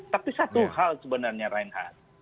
tapi satu hal sebenarnya reinhardt